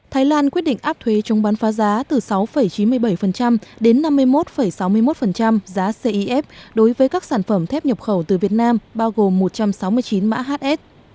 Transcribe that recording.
thái lan quyết định áp thuế chống bán phá giá từ sáu chín mươi bảy đến năm mươi một sáu mươi một giá cif đối với các sản phẩm thép nhập khẩu từ việt nam bao gồm một trăm sáu mươi chín mã hs